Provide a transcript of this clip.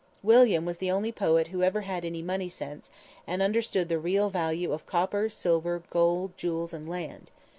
William was the only poet who ever had any money sense, and understood the real value of copper, silver, gold, jewels and land.